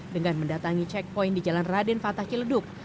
dengan mendatangi checkpoint di jalan raden fatah ciledug